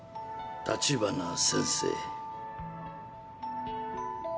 立花先生。